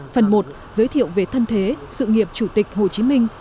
phần một giới thiệu về thân thế sự nghiệp chủ tịch hồ chí minh